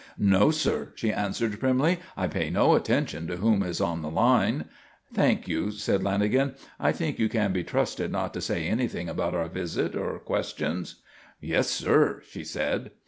"No, sir," she answered primly. "I pay no attention to whom is on a line." "Thank you," said Lanagan. "I think you can be trusted not to say anything about our visit or questions?" "Yes, sir," she said.